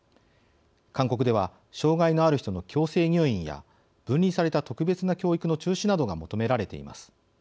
勧告では障害のある人の強制入院や分離された特別な教育の中止などが求められています。